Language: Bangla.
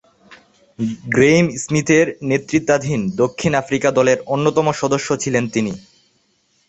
গ্রেইম স্মিথের নেতৃত্বাধীন দক্ষিণ আফ্রিকা দলের অন্যতম সদস্য ছিলেন তিনি।